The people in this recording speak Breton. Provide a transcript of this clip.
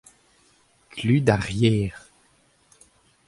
Klud ar yer.